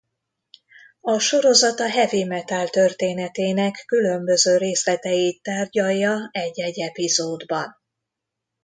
A sorozat a heavy metal történetének különböző részleteit tárgyalja egy-egy epizódban.